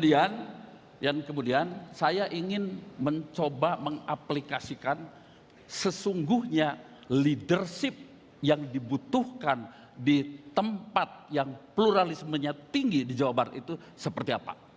dan kemudian saya ingin mencoba mengaplikasikan sesungguhnya leadership yang dibutuhkan di tempat yang pluralismenya tinggi di jawa barat itu seperti apa